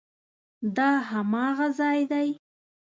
دا هماغه ځای دی؟